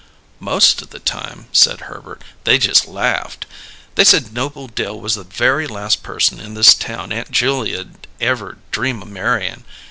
"Most of the time," said Herbert, "they just laughed. They said Noble Dill was the very last person in this town Aunt Julia'd ever dream o' marryin'.